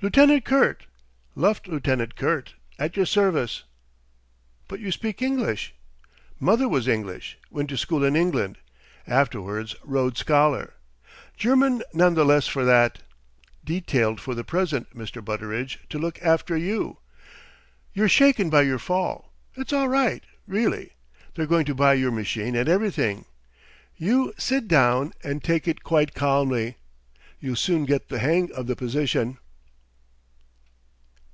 "Lieutenant Kurt. Luft lieutenant Kurt, at your service." "But you speak English!" "Mother was English went to school in England. Afterwards, Rhodes scholar. German none the less for that. Detailed for the present, Mr. Butteridge, to look after you. You're shaken by your fall. It's all right, really. They're going to buy your machine and everything. You sit down, and take it quite calmly. You'll soon get the hang of the position."